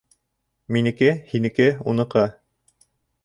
Минеке, һинеке, уныҡы